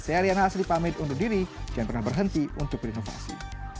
saya riana asri pamit undur diri jangan pernah berhenti untuk berinovasi